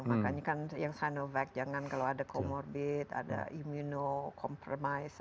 makanya kan yang sinovac jangan kalau ada comorbid ada immuno compramise